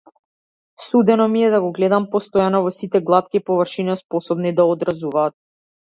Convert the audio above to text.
Судено ми е да го гледам постојано, во сите глатки површини способни да одразуваат.